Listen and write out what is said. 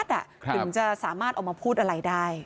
ถึงจะสามารถออกมาพูดอะไรได้